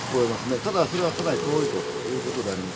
ただ、それはかなり遠いということであります。